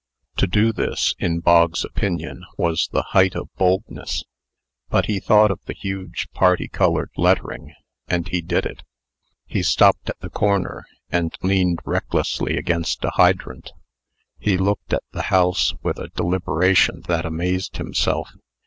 To do this, in Bog's opinion, was the height of boldness. But he thought of the huge parti colored lettering, and he did it. He stopped at the corner, and leaned recklessly against a hydrant. He looked at the house with a deliberation that amazed himself.